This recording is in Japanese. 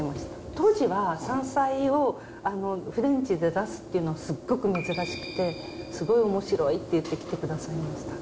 当時は、山菜をフレンチで出すっていうのはすっごく珍しくて、すごいおもしろいって言って来てくださりました。